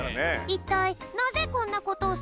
いったいなぜこんなことをするの？